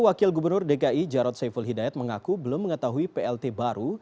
wakil gubernur dki jarod saiful hidayat mengaku belum mengetahui plt baru